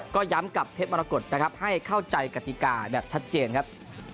ก็ย้ำกับเพชรมรกฏนะครับให้เข้าใจกติกาแบบชัดเจนครับ